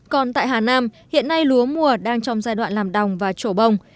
còn tại hà nam hiện nay lúa mùa đang trong giai đoạn làm đồng và trổ bông